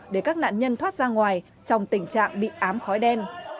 để các nạn nhân thoát ra ngoài trong tình trạng bị ám khói đen